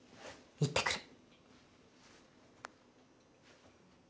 行ってくる。